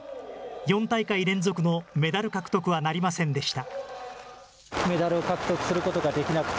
４大会連続のメダル獲得はなりませんでした。